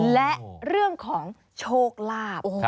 และเรื่องของโชคลาภ